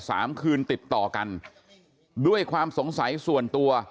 สามคืนติดต่อกันด้วยความสงสัยส่วนตัว